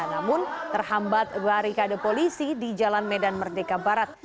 namun terhambat barikade polisi di jalan medan merdeka barat